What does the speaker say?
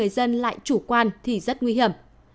các chủ quan thì rất nguy hiểm